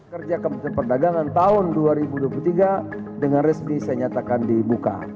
kerja kementerian perdagangan tahun dua ribu dua puluh tiga dengan resmi saya nyatakan dibuka